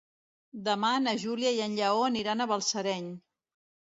Demà na Júlia i en Lleó aniran a Balsareny.